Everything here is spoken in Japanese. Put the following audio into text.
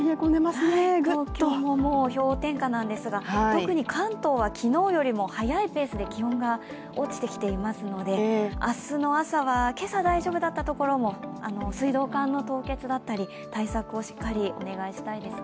東京ももう氷点下なんですが、特に関東は昨日よりも速いペースで気温が落ちてきていますので明日の朝は今朝、大丈夫だったところも水道管の凍結だったり対策をしっかりお願いしたいですね。